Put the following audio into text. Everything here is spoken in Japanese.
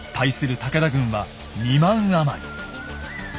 武田軍は２万余り。